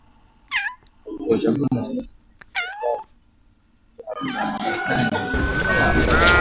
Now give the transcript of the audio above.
kwa kuwachagua maseneta na wabunge ambao watalinda na kutetea haki za wanawake